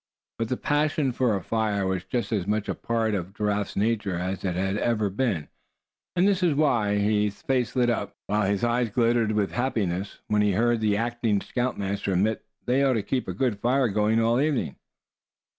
But the passion for a fire was just as much a part of Giraffe's nature as it had ever been. And this was why his face lighted up, while his eyes glittered with happiness, when he heard the acting scoutmaster admit they ought to keep a good fire going all evening.